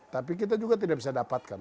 tapi kita juga tidak bisa dapatkan